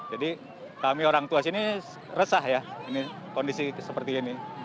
jadi kami orang tua sini resah ya kondisi seperti ini